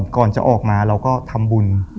ก่อนจะออกมาเราก็ทำบุญ